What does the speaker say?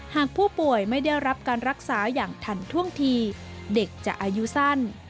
หากผู้ป่วยไม่ได้รับการรักษาอย่างทันท่วงทีเด็กจะอายุสั้น